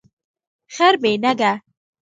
خر بی نګه